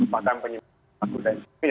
bahkan penyimpanan perlaku dan